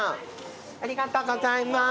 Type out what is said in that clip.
ありがとうございます。